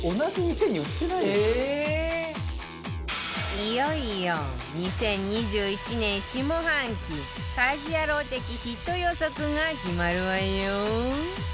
いよいよ２０２１年下半期『家事ヤロウ！！！』的ヒット予測が決まるわよ